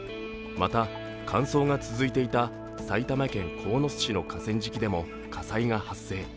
また、乾燥が続いていた埼玉県鴻巣市の河川敷でも火災が発生。